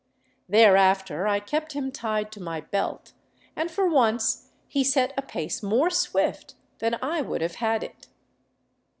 Thereafter I kept him tied to my belt, and for once he set a pace more swift than I would have had it.